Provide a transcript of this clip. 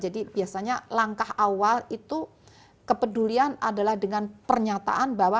jadi biasanya langkah awal itu kepedulian adalah dengan pernyataan bahwa